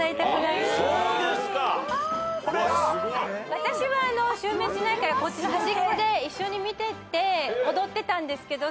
私は襲名しないから端っこで一緒に見てて踊ってたんですけど。